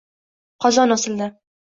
Qozon osildi.